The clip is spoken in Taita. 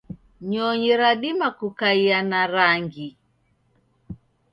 nyonyi radima kukaia na rangi